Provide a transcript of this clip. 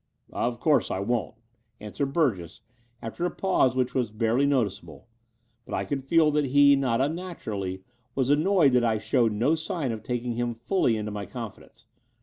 "Of course I won't," answered Burgess after a pause which was barely noticeable; but I could feel that he, not unnaturally, was annoyed that I showed no sign of taking him fully into my confi dence.